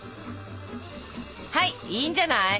はいいいんじゃない。